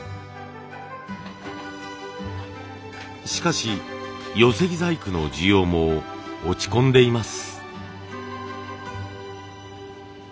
しかし寄木細工の需要も落ち込んでいます。